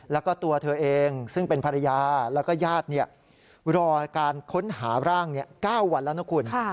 แล้วก็ตัวเธอเองซึ่งเป็นภรรยาแล้วก็ญาติรอการค้นหาร่าง๙วันแล้วนะคุณ